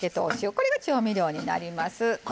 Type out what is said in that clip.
これが調味料になります。